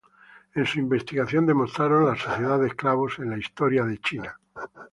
En su investigación demostraron la sociedad de esclavos en la historia de China.